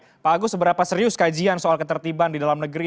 bapak mau seberapa serius kajian soal ketertiban di dalam negeri